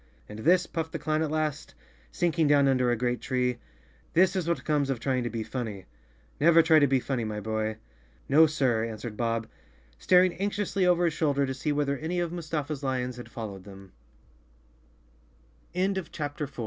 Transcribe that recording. "And this," puffed the clown at last, sinking down under a great tree, "this is what comes of trying to be funny. Never try to be funny, my boy." "No, sir," answered Bob, staring anxiously over his shoulder to see whether any of Mus